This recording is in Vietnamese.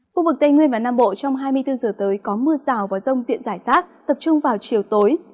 khu vực tây nguyên và nam bộ trong hai mươi bốn giờ tới có mưa rào và rông diện rải rác tập trung vào chiều tối